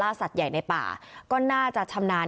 สัตว์ใหญ่ในป่าก็น่าจะชำนาญ